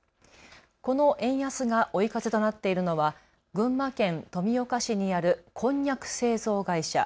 この円安が追い風となっているのは群馬県富岡市にあるこんにゃく製造会社。